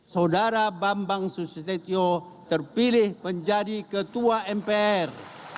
saudara bambang suseteyo terpilih menjadi ketua mpr